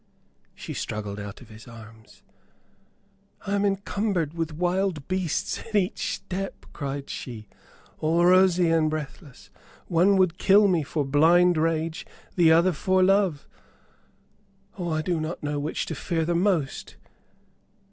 She struggled out of his arms. "I am encumbered with wild beasts at each step," cried she, all rosy and breathless. "One would kill me for blind rage, the other for love. Oh, I do not know which to fear the most.